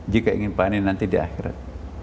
jika ingin panen nanti di akhirat